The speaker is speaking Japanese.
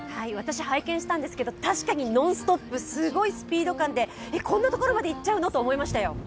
私、拝見したんですけど確かにノンストップ、すごいスピード感でこんなところまでいっちゃうの？と思いましたよ。